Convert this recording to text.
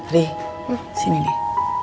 riri sini deh